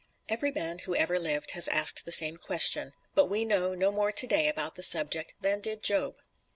Every man who ever lived has asked the same question, but we know no more today about the subject than did Job.